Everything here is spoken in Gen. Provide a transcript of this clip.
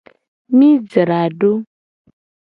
Mi jra do.